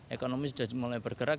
ekonomi sudah mulai bergerak